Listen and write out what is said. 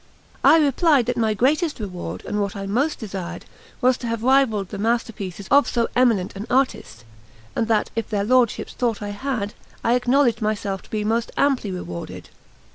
I replied that my greatest reward and what I most desired was to have rivalled the masterpieces of so eminent an artist; and that if their lordships thought I had, I acknowledged myself to be most amply rewarded.